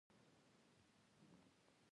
که مو د خپلي دندې عزت وکړئ! نو پرمختګ به وکړئ!